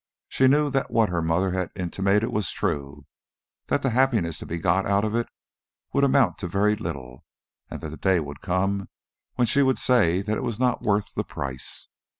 She knew that what her mother had intimated was true, that the happiness to be got out of it would amount to very little, and that the day would come when she would say that it was not worth the price.